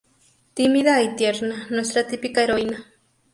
Tímida y tierna, nuestra típica heroína.